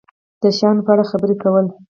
د شیانو په اړه خبرې کول